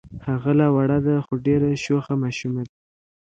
هغه لا وړه ده خو ډېره شوخه ماشومه ده.